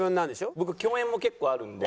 僕共演も結構あるんで。